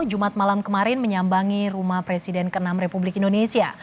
jumat malam kemarin menyambangi rumah presiden ke enam republik indonesia